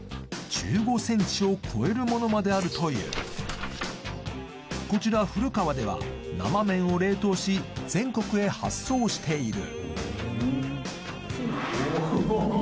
１５ｃｍを超えるものまであるというこちらふる川では生麺を冷凍し全国へ発送しているお！